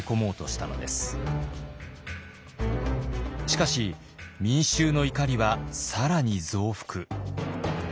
しかし民衆の怒りは更に増幅。